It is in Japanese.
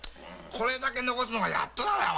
これだけ残すのがやっとだよ。